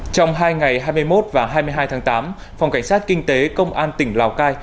trong hai ngày hai mươi một và hai mươi hai tháng tám phòng cảnh sát kinh tế công an tỉnh lào cai